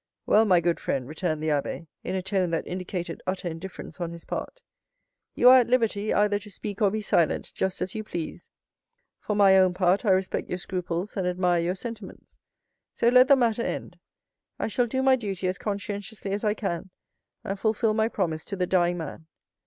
"Well, my good friend," returned the abbé, in a tone that indicated utter indifference on his part, "you are at liberty, either to speak or be silent, just as you please; for my own part, I respect your scruples and admire your sentiments; so let the matter end. I shall do my duty as conscientiously as I can, and fulfil my promise to the dying man.